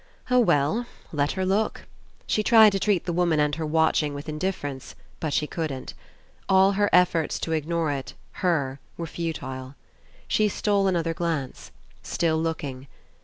Oh well, let her look! She tried to treat the woman and her watching with indifference, but she couldn't. All her ef forts to ignore her, it, were futile. She stole another glance. Still looking.